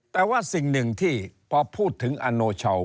แต่ว่าสิ่งหนึ่งที่พอพูดถึงอโนชาว